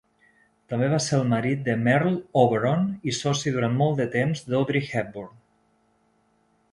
També va ser el marit de Merle Oberon i soci durant molt de temps d'Audrey Hepburn.